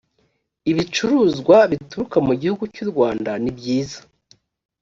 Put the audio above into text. ibicuruzwa bituruka mu gihugu cyurwanda nibyiza